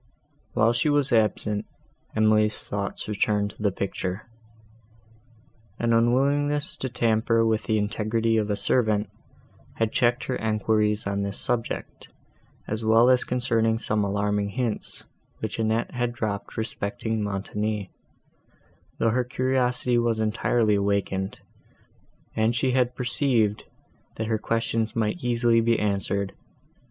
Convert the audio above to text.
While she was absent, Emily's thoughts returned to the picture; an unwillingness to tamper with the integrity of a servant, had checked her enquiries on this subject, as well as concerning some alarming hints, which Annette had dropped respecting Montoni; though her curiosity was entirely awakened, and she had perceived, that her questions might easily be answered.